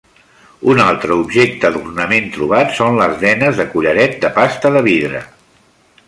Un altre objecte d'ornament trobat són les denes de collaret de pasta de vidre.